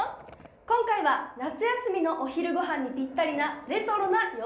今回は夏休みのお昼ご飯にぴったりなレトロな洋食。